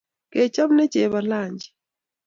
Kechop ne chebo lanji?